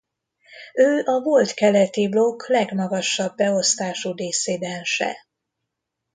Ő a volt keleti blokk legmagasabb beosztású disszidense.